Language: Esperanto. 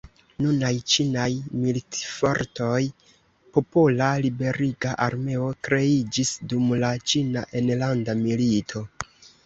Nunaj Ĉinaj militfortoj, Popola Liberiga Armeo kreiĝis dum la Ĉina enlanda milito.